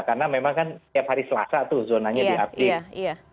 karena memang kan tiap hari selasa tuh zonanya diaktif